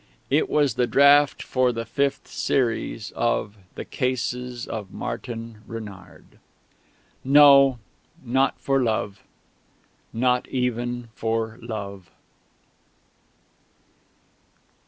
It was the draft for the fifth series of The Cases of Martin Renard. No, not for Love not even for Love....